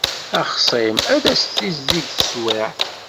Axṣim ad s-d-tizdig teswiεt.